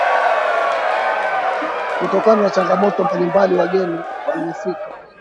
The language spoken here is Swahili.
kutokana na changamoto mbalimbali Wageni walofika